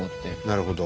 なるほど。